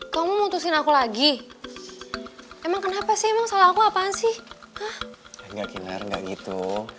kamu mutusin aku lagi emang kenapa sih emang salah aku apaan sih nggak gitu